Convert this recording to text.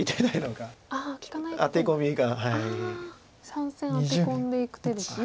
３線アテ込んでいく手ですね